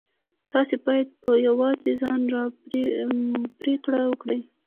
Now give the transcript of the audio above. تاسې بايد په يوازې ځان دا پرېکړه وکړئ.